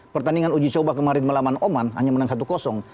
pertandingan uji coba kemarin melawan oman hanya menang satu